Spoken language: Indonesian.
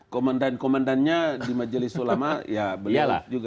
komandan komandannya di majelis ulama ya beliau juga